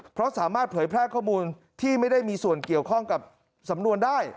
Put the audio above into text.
เพราะสามารถเผยแพร่ข้อมูลที่ไม่ได้มีส่วนเกี่ยวข้องกับสำนวนได้